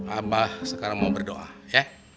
abah sekarang mau berdoa ya